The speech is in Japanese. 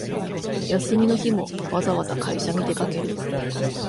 休みの日もわざわざ会社に出かける